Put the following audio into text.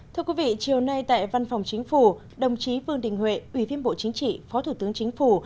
thưa quý vị chiều nay tại văn phòng chính phủ đồng chí vương đình huệ ủy viên bộ chính trị phó thủ tướng chính phủ